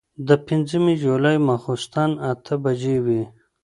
د پنځمې جولايې ماسخوتن اتۀ بجې وې